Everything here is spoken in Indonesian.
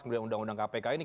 kemudian undang undang kpk ini